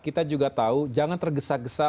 kita juga tahu jangan tergesa gesa